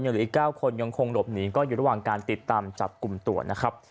เหลืออีก๙คนยังคงหลบหนีก็อยู่ระหว่างการติดตามจับกลุ่มตัวนะครับ